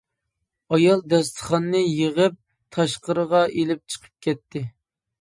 ئايال داستىخاننى يىغىپ تاشقىرىغا ئېلىپ چىقىپ كەتتى.